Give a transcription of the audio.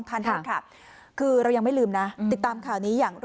ทันทีค่ะคือเรายังไม่ลืมนะติดตามข่าวนี้อย่าง